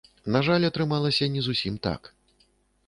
На жаль, атрымалася не зусім так.